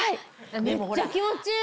めっちゃ気持ちいい。